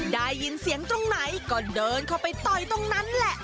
ได้ยินเสียงตรงไหนก็เดินเข้าไปต่อยตรงนั้นแหละ